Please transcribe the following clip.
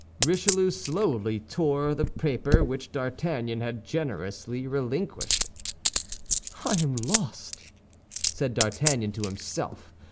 Richelieu slowly tore the paper which D'Artagnan had generously relinquished. "I am lost!" said D'Artagnan to himself.